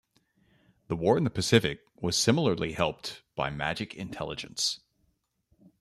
The war in the Pacific was similarly helped by 'Magic' intelligence.